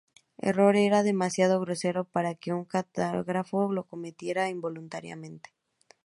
El error era demasiado grosero para que un cartógrafo lo cometiera involuntariamente.